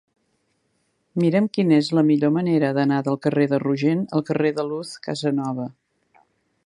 Mira'm quina és la millor manera d'anar del carrer de Rogent al carrer de Luz Casanova.